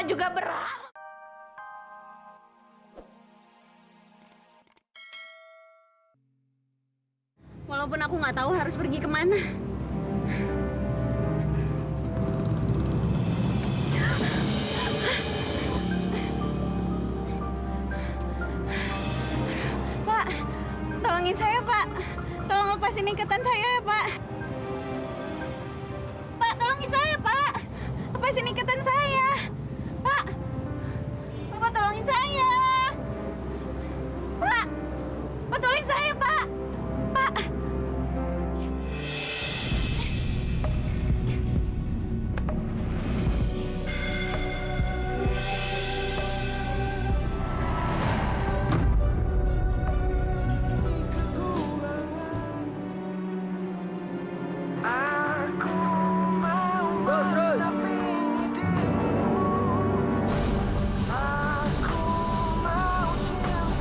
lupa setiap bahagian kami